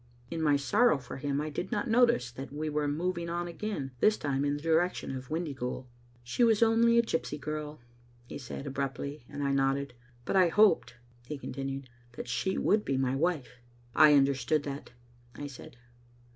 In my sorrow for him I did not notice that we were moving on again, this time in the direction of Windy ghoul. "She was only a gypsy girl," he said, abruptly, and I nodded. "But I hoped," he continued, "that she would be my wife." " I understood that," I said.